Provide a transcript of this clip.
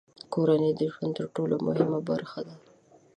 کورنۍ د ژوند تر ټولو مهمه برخه ده.